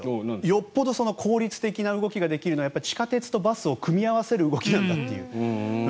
よっぽど効率的な動きができるのは地下鉄とバスを利用した動きなんだと。